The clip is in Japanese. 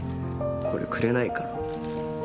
これくれないかなぁ。